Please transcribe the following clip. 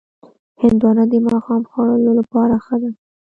هندوانه د ماښام خوړلو لپاره ښه ده.